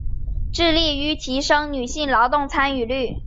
致力於提升女性劳动参与率